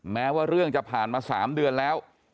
แม้ว่าเรื่องจะผ่านมา๓เดือนแล้ว